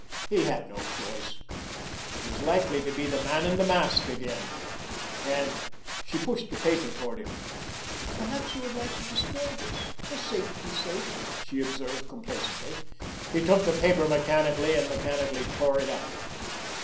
He had no choice.... It was likely to be the man in the mask again, and—— She pushed the paper toward him. "Perhaps you would like to destroy this—for safety's sake," she observed complacently. He took the paper mechanically, and mechanically tore it up.